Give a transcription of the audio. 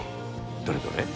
どれどれ？